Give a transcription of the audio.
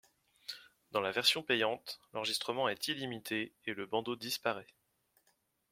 Dans la version payante, l'enregistrement est illimité, et le bandeau disparaît.